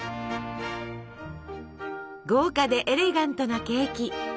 豪華でエレガントなケーキ。